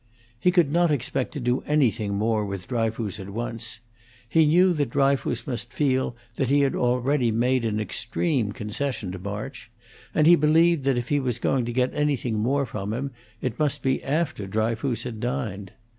He could not expect to do anything more with Dryfoos at once; he knew that Dryfoos must feel that he had already made an extreme concession to March, and he believed that if he was to get anything more from him it must be after Dryfoos had dined.